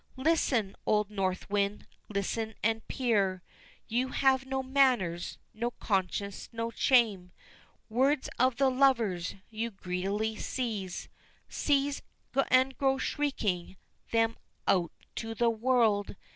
Listen, old North Wind, listen and peer, You have no manners, no conscience, no shame, Words of the lovers you greedily seize Seize, and go shrieking them out to the world!